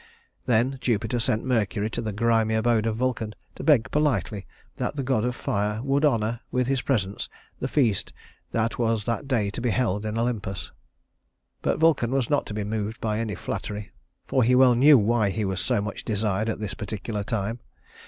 Then Jupiter sent Mercury to the grimy abode of Vulcan to beg politely that the god of fire would honor, with his presence, the feast that was that day to be held in Olympus; but Vulcan was not to be moved by any flattery, for he well knew why he was so much desired at this particular time.